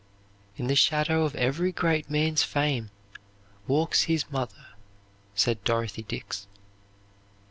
"In the shadow of every great man's fame walks his mother," says Dorothy Dix.